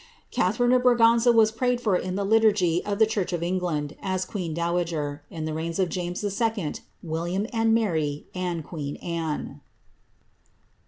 '^' Catharine of Braganza was prayed for in the liturgy of the church of England, as queen dowager, in the reigns of James II., William io<i Mary, and queen Anne.